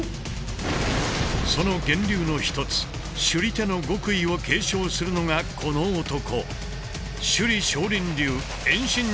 その源流の一つ「首里手」の極意を継承するのがこの男。